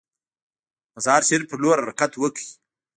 مزار شریف پر لور حرکت وکړ.